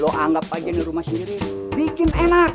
lo anggap aja nih rumah sendiri bikin enak ye